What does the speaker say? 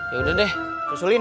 yaudah deh susulin ya